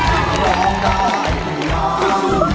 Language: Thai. ร้องได้ร้องได้ร้องได้ร้องได้